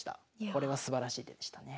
これはすばらしい手でしたね。